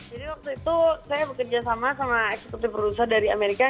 jadi waktu itu saya bekerja sama sama eksekutif produser dari amerika